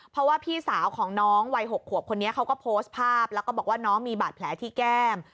เพราะว่าพี่สาวของน้องวัย๖ขวบคนนี้เขาก็โพสต์ภาพแล้วก็บอกว่าน้องมีบาดแผลที่แก้ม